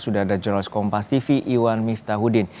sudah ada jurnalis kompas tv iwan miftahudin